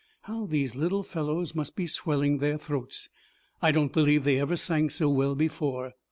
How these little fellows must be swelling their throats! I don't believe they ever sang so well before."